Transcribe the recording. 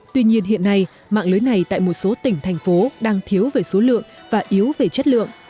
tuy nhiên hiện nay mạng lưới này tại một số tỉnh thành phố đang thiếu về số lượng và yếu về chất lượng